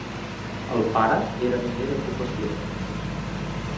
El pare era miner de professió.